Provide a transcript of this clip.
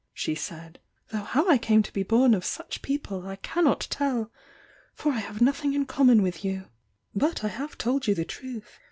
she said— "Though how I c uiie to be born of such people I cannot tell! *or 1 »iave nothing m common with you. But I have told you the truth.